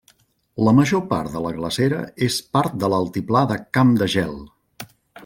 La major part de la glacera és part de l'altiplà de Camp de Gel.